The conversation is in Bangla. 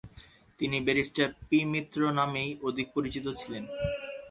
তিনি ব্যারিস্টার পি মিত্র নামেই অধিক পরিচিত ছিলেন।